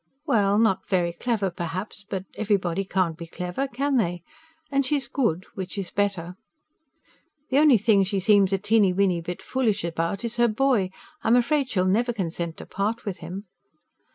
Well, not very clever, perhaps. But everybody can't be clever, can they? And she's good which is better. The only thing she seems a teeny weeny bit foolish about is her boy. I'm afraid she'll never consent to part with him."